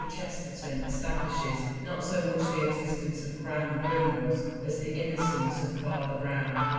Chester ton establishes, not so much the existence of crime and criminals, as The Innocence of Father Brown.